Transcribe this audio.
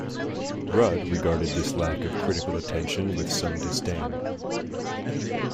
Rudd regarded this lack of critical attention with some disdain.